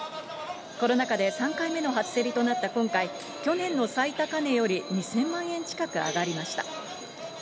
コロナ禍で３回目の初競りとなった今回、去年の最高値より２０００万円近く上がりました。